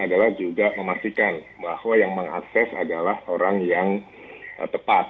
adalah juga memastikan bahwa yang mengakses adalah orang yang tepat